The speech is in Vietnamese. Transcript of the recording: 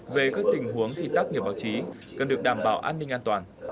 về các tình huống khi tác nghiệp báo chí cần được đảm bảo an ninh an toàn